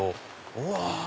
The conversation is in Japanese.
うわ！